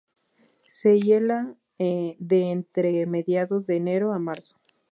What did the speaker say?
Se hiela de entre mediados de enero a marzo.